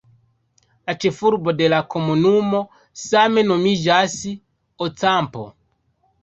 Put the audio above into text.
La ĉefurbo de la komunumo same nomiĝas "Ocampo".